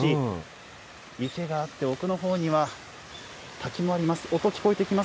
池があって、奥のほうには滝もあります。